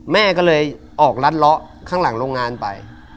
แม่ก็เลยออกรัดเลาะข้างหลังโรงงานไป